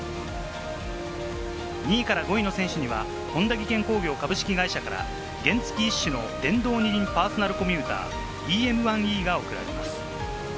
２位から５位の選手には本田技研工業株式会社から、原付一種の電動二輪パーソナルコミューター「ＥＭ１ｅ：」が贈られます。